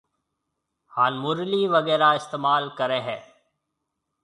هانَ مُرلِي وغيره استعمال ڪريَ هيَ